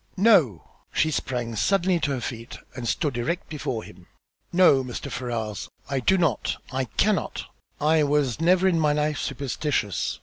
"No!" She sprang suddenly to her feet and stood erect before him. "No, Mr. Ferrars, I do not! I cannot. I was never in my life superstitious.